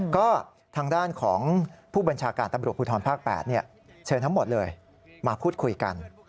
ก็ทางด้านผู้บัญชาการตำรวจภูทรพทรทั้งหมดมาพูดคุยกัน